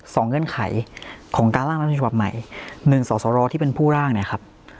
สองเงื่อนไขของการร่างรัฐมนุนที่ประมาณใหม่หนึ่งสรสรที่เป็นผู้ร่างนะครับ